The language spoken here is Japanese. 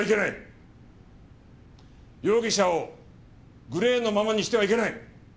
容疑者をグレーのままにしてはいけない！